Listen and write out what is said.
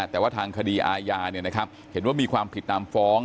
แต่ว่าทางคดีอาญาเห็นว่ามีความผิดตามฟ้อง